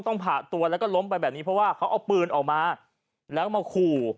ผ่าตัวแล้วก็ล้มไปแบบนี้เพราะว่าเขาเอาปืนออกมาแล้วก็มาขู่